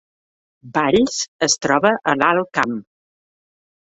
Valls es troba a l’Alt Camp